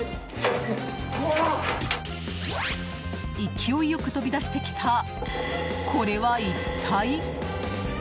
勢いよく飛び出してきたこれは一体？